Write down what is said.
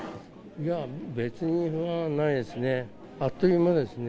いや、別に不安はないですね。